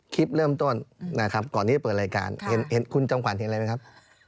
คลิปเริ่มต้นนะครับก่อนที่จะเปิดรายการเห็นคุณจอมขวัญเห็นอะไรไหมครับ